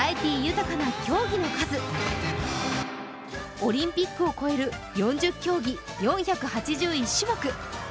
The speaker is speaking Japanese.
オリンピックを超える４０競技、４８１種目。